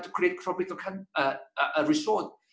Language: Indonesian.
kami memahami cara membuat resort